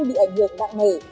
bị ảnh hưởng mạng mề